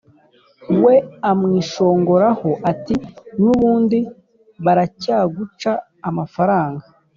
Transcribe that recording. we amwishongoraho ati: « N’ubundi baracyaguca amafaranga.